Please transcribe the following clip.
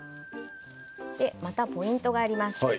またポイントがあります。